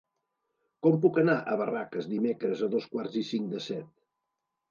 Com puc anar a Barraques dimecres a dos quarts i cinc de set?